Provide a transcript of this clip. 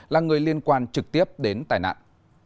là người liên quan trực tiếp đến tài nạn